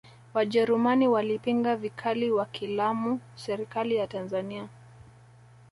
wajerumani walipinga vikali wakiilamu serikali ya tanzania